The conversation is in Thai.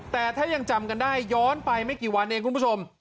แต่ถ้ายังจำกันได้ย้อนไปไม่กี่วันเองคุณผู้ชม